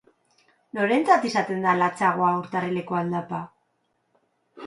Norentzat izaten da latzagoa urtarrileko aldapa?